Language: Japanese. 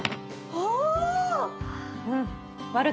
ああ。